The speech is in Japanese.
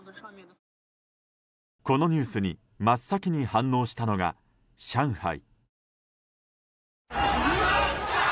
このニュースに真っ先に反応したのが上海。